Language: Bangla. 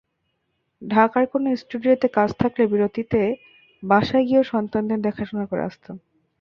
ঢাকার কোনো স্টুডিওতে কাজ থাকলে বিরতিতে বাসায় গিয়েও সন্তানদের দেখাশোনা করে আসতাম।